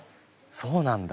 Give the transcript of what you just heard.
そうなんだ。